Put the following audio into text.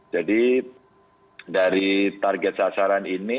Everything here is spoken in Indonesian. jadi dari target sasaran ini